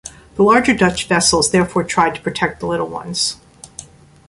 The larger Dutch vessels therefore tried to protect the little ones.